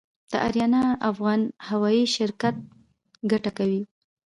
د اریانا افغان هوايي شرکت ګټه کوي؟